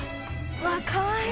かわいい。